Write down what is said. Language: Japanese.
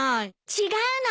違うの。